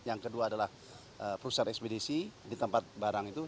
yang kedua adalah perusahaan ekspedisi di tempat barang itu